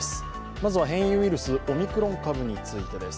まずは変異ウイルスオミクロン株についてです。